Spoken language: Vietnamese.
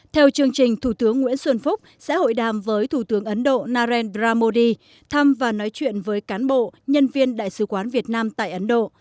theo chương trình thủ tướng nguyễn xuân phúc sẽ hội đàm với thủ tướng ấn độ narendra modi thăm và nói chuyện với cán bộ nhân viên đại sứ quán việt nam tại ấn độ